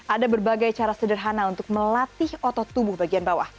ada berbagai cara sederhana untuk melatih otot tubuh bagian bawah